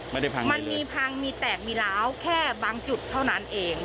พังมันมีพังมีแตกมีล้าวแค่บางจุดเท่านั้นเอง